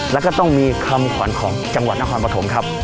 แล้วก็ต้องมีคำขวัญของจังหวัดนครปฐมครับ